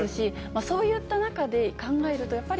そういう中で考えるとやっぱ